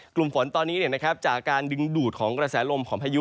กลุ่มฝนตอนนี้จากการดึงดูดของกระแสลมของพายุ